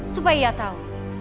supaya ia tahu